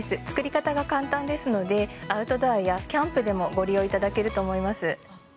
作り方が簡単ですので、アウトドアやキャンプでもご利用いただけると思います。